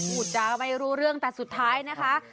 พูดจาไม่รู้เรื่องแต่สุดท้ายนะคะ